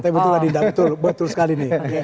tapi betul tadi betul sekali